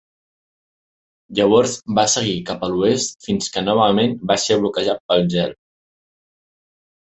Llavors va seguir cap a l'oest fins que novament va ser bloquejat pel gel.